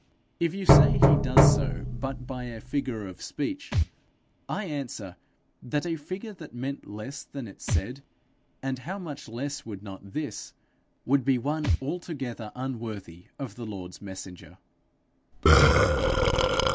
If you say he does so but by a figure of speech, I answer that a figure that meant less than it said and how much less would not this? would be one altogether unworthy of the Lord's messenger.